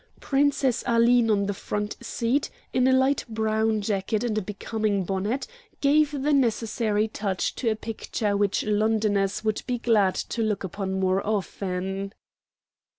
Princess Aline, on the front seat, in a light brown jacket and a becoming bonnet, gave the necessary touch to a picture which Londoners would be glad to look upon more often.'"